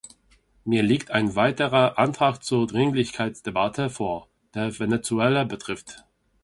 Mir liegt ein weiterer Antrag zur Dringlichkeitsdebatte vor, der Venezuela betrifft.